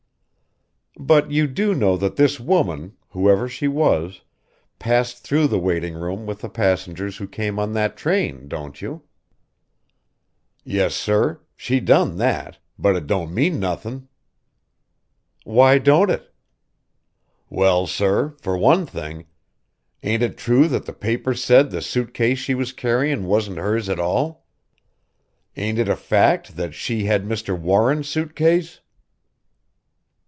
"But you do know that this woman whoever she was passed through the waiting room with the passengers who came on that train, don't you?" "Yes, sir she done that, but it don't mean nothin'." "Why don't it?" "Well, sir, for one thing ain't it true that the papers said the suit case she was carryin' wasn't hers at all. Ain't it a fact that she had Mr. Warren's suit case?"